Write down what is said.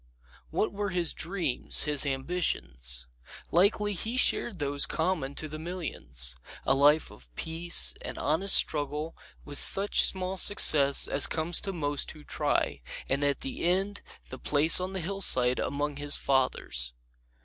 What were his dreams, his ambitions? Likely he shared those common to the millions: a life of peace and honest struggle, with such small success as comes to most who try; and at the end the place on the hillside among his fathers.